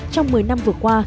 trong một mươi năm vừa qua